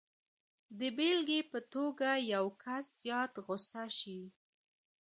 د بېلګې په توګه که یو کس زیات غسه شي